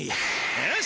よし！